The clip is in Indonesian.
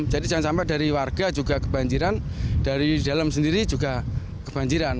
jadi jangan sampai dari warga juga kebanjiran dari dalam sendiri juga kebanjiran